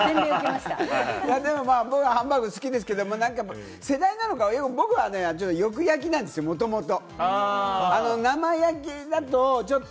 いや、でも僕ハンバーグ好きですけれども、なんか世代なのか、僕はねよく焼きなんですよ、もともと。